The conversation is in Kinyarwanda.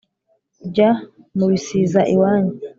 ujya mu bisiza iwanyu